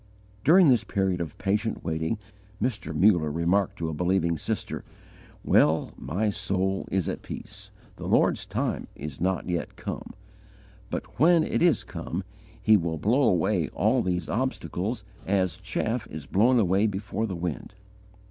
During this period of patient waiting, Mr. Muller remarked to a believing sister: "Well, my soul is at peace. The Lord's time is not yet come; but, when it is come, He will blow away all these obstacles, as chaff is blown away before the wind."